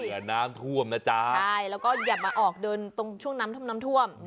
อย่าน้ำท่วมนะจ๊ะใช่แล้วก็อย่ามาออกเดินตรงช่วงน้ำท่วม